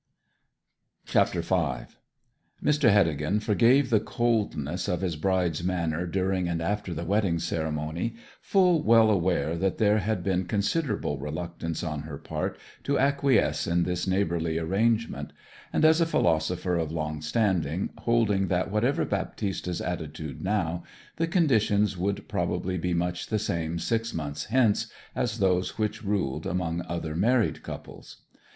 CHAPTER V Mr. Heddegan forgave the coldness of his bride's manner during and after the wedding ceremony, full well aware that there had been considerable reluctance on her part to acquiesce in this neighbourly arrangement, and, as a philosopher of long standing, holding that whatever Baptista's attitude now, the conditions would probably be much the same six months hence as those which ruled among other married couples.